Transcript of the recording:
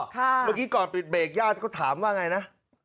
เมื่อกี้ก่อนปิดเบรกญาติก็ถามว่าไงนะ